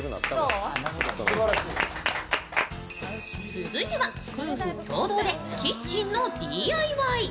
続いては夫婦共同でキッチンのＤＩＹ。